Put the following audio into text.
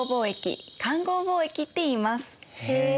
へえ！